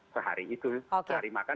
sehari itu sehari makan